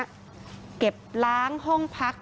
อยู่ดีมาตายแบบเปลือยคาห้องน้ำได้ยังไง